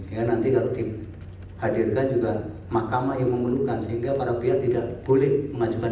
ya nanti kalau dihadirkan juga mahkamah yang memerlukan sehingga para pihak tidak boleh mengajukan